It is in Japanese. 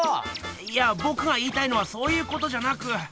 いやぼくが言いたいのはそういうことじゃなく。